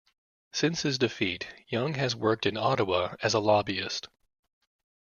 Since his defeat, Young has worked in Ottawa as a lobbyist.